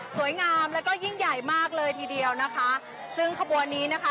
สวยงามแล้วก็ยิ่งใหญ่มากเลยทีเดียวนะคะซึ่งขบวนนี้นะคะ